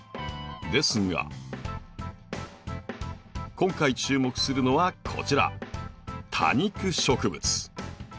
ですが今回注目するのはこちら多肉植物。